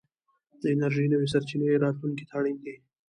د انرژۍ نوې سرچينې راتلونکي ته اړين دي.